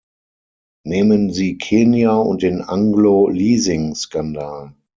Nehmen Sie Kenia und den Anglo-Leasing-Skandal.